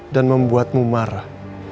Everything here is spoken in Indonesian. dan membuatmu marah